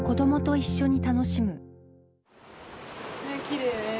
きれい。